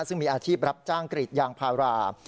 ซึ่งมีอาชีพรับจ้างกรีดยางพารา